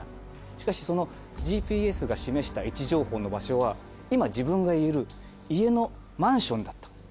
しかしそのＧＰＳが示した位置情報の場所は今自分がいる家のマンションだった。